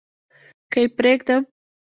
که يې پرېږدم .